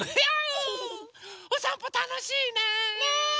おさんぽたのしいね！ね！